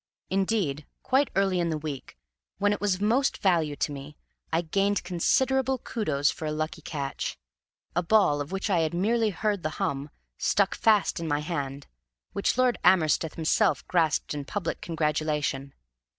Indeed, quite early in the week, when it was of most value to me, I gained considerable kudos for a lucky catch; a ball, of which I had merely heard the hum, stuck fast in my hand, which Lord Amersteth himself grasped in public congratulation.